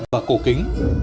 và cổ kính